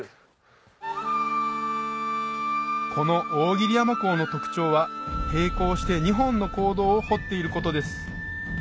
この大切山坑の特徴は平行して２本の坑道を掘っていることです